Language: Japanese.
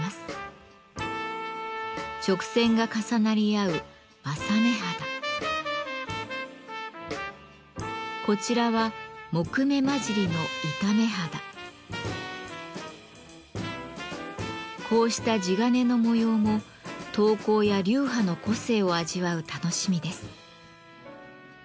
直線が重なり合うこちらはこうした地鉄の模様も刀工や流派の個性を味わう楽しみです。